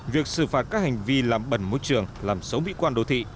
việc xử phạt các hành vi làm bẩn môi trường làm xấu mỹ quan đô thị